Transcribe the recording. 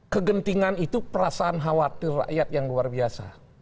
kegentingan itu perasaan khawatir rakyat yang luar biasa